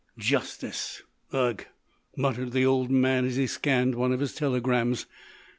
"Justice? Ugh!" muttered the old man, as he scanned one of his telegrams.